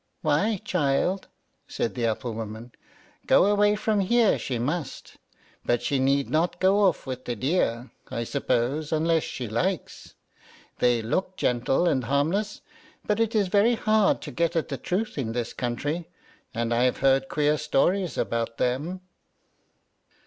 "Why, child," said the apple woman, "go away from here she must; but she need not go off with the deer, I suppose, unless she likes. They look gentle and harmless; but it is very hard to get at the truth in this country, and I've heard queer stories about them."